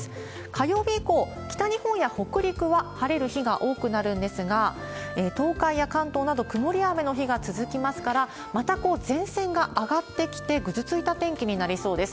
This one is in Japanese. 火曜日以降、北日本や北陸は晴れる日が多くなるんですが、東海や関東など曇、雨の日が続きますから、また前線が上がってきて、ぐずついた天気になりそうです。